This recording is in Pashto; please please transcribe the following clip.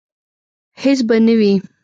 هیڅ به نه وي